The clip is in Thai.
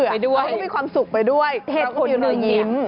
เขาก็มีความสุขไปด้วยเหตุคนหน่อยิ้ม